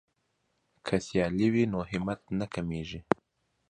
که سیالي وي نو همت نه کمیږي.